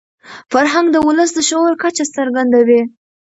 فرهنګ د ولس د شعور کچه څرګندوي.